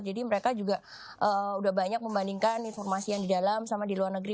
jadi mereka juga sudah banyak membandingkan informasi yang di dalam sama di luar negeri